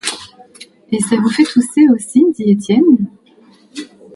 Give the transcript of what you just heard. Et ça vous fait tousser aussi? dit Étienne.